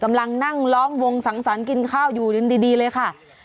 กำลังนั่งล้อมวงสังสรรค์กินข้าวอยู่ดีเลยค่ะ